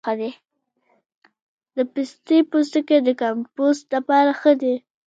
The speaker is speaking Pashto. د پستې پوستکی د کمپوسټ لپاره ښه دی؟